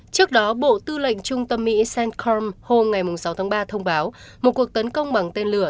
trước đó bộ tư lệnh trung tâm mỹ cencom hôm sáu tháng ba thông báo một cuộc tấn công bằng tên lửa